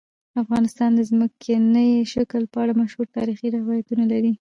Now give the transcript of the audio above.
افغانستان د ځمکنی شکل په اړه مشهور تاریخی روایتونه لري.